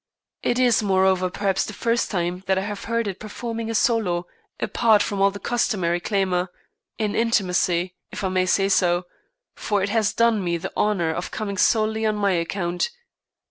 It is, moreover, perhaps the first time that I have heard it performing a solo apart from all the customary clamour, in intimacy, if I may say so, for it has done me the honour of coming solely on my account.